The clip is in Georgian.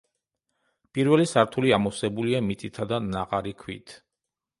პირველი სართული ამოვსებულია მიწითა და ნაყარი ქვით.